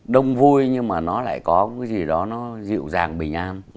đông vui nhưng mà nó lại có cái gì đó nó dịu dàng bình an